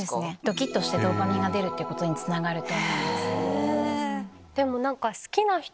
ドキっとしてドーパミンが出ることにつながると思います。